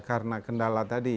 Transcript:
ya karena kendala tadi